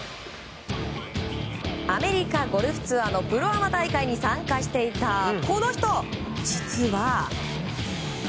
アメリカゴルフツアーのプロアマ大会に参加していたこの人、実は。